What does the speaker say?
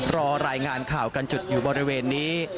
รอรายงานข่าวกันจุดอยู่บริเวณนี้